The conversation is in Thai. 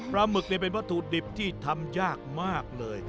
ปลาหมึกเนี่ยเป็นวัตถุดิบที่ทำยากมากเลย